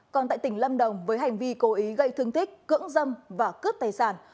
còn tại tỉnh lâm đồng với hành vi cố ý gây thương tích cưỡng dâm và cướp tài sản